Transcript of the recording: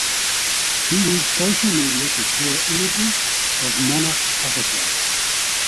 He used social media to share images of monarch butterflies.